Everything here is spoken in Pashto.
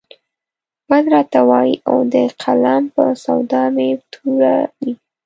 بد راته وايي او د قلم په سودا مې توره وي.